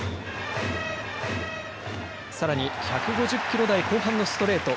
さらに１５０キロ台後半のストレート。